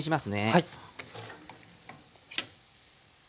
はい。